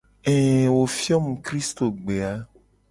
Ee wo fio mu kristogbe a.